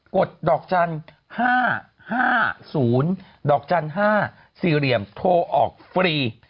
ดดอกจันทร์๕๕๐ดอกจันทร์๕๔เหลี่ยมโทรออกฟรี